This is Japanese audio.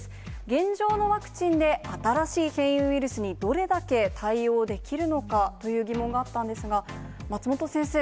現状のワクチンで新しい変異ウイルスにどれだけ対応できるのかという疑問があったんですが、松本先生、